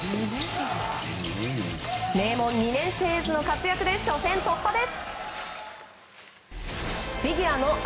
名門２年生エースの活躍で初戦突破です。